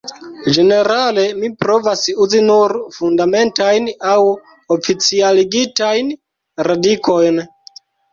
Ĝenerale mi provas uzi nur Fundamentajn aŭ oficialigitajn radikojn.